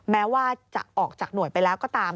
แม้ว่าจะออกจากหน่วยไปแล้วก็ตาม